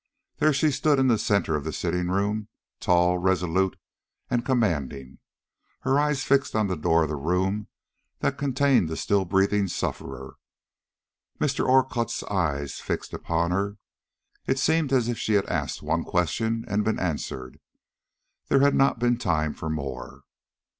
There she stood in the centre of the sitting room, tall, resolute, and commanding, her eyes fixed on the door of the room that contained the still breathing sufferer, Mr. Orcutt's eyes fixed upon her. It seemed as if she had asked one question and been answered; there had not been time for more.